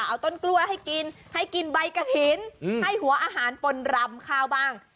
เอาต้นกล้วยให้กินให้กินใบกระถิ่นให้หัวอาหารปนรำข้าวบ้าง